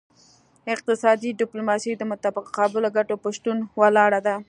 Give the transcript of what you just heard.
اقتصادي ډیپلوماسي د متقابلو ګټو په شتون ولاړه ده